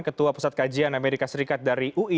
ketua pusat kajian amerika serikat dari ui